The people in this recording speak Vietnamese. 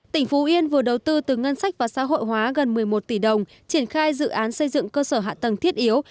tỉnh phú yên vừa đầu tư từ ngân sách và xã hội hóa gần một mươi một tỷ đồng triển khai dự án xây dựng cơ sở hạ tầng thiết yếu